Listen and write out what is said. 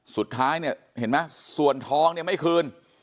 สุดท้ายเนี่ยเห็นไหมส่วนทองเนี่ยไม่คืน